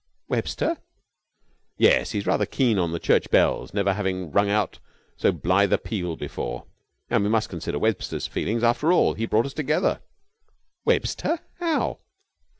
"Webster?" "Yes, he's rather keen on the church bells never having rung out so blithe a peal before. And we must consider Webster's feelings. After all, he brought us together." "Webster? How?"